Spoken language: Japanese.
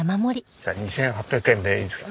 じゃあ２８００円でいいですか？